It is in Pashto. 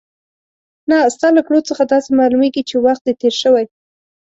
نه، ستا له کړو څخه داسې معلومېږي چې وخت دې تېر شوی.